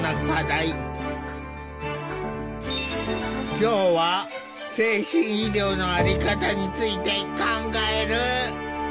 今日は精神医療の在り方について考える。